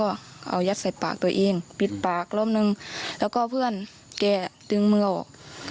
เอายัดใส่ปากตัวเองปิดปากรอบนึงแล้วก็เพื่อนแกดึงมือออก